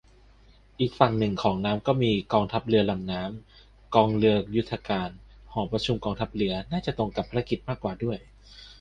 อีกฝั่งนึงของน้ำก็มีกองเรือลำน้ำ กองเรือยุทธการ หอประชุมกองทัพเรือ น่าจะตรงกับภารกิจกว่าด้วย